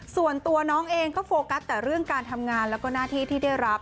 ส่วนตัวน้องเองก็โฟกัสแต่เรื่องการทำงานแล้วก็หน้าที่ที่ได้รับ